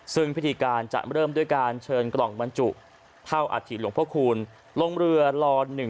ซึ่งพิธีการจะเริ่มด้วยการเชิญกล่องบรรจุเท่าอาถิหลวงพระคูณลงเรือล๑๒